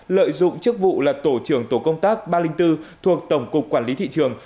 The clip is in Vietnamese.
lợi dụng chức vụ là tổ trưởng tổ công tác ba trăm linh bốn thuộc tổng cục quản lý thị trường